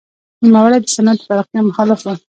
نوموړی د صنعت د پراختیا مخالف و.